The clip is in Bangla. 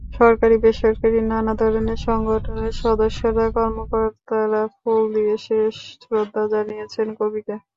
সরকারি-বেসরকারি নানা ধরনের সংগঠনের সদস্যরা, কর্মকর্তারা ফুল দিয়ে শেষ শ্রদ্ধা জানিয়েছেন কবিকে।